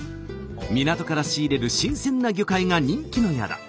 港から仕入れる新鮮な魚介が人気の宿。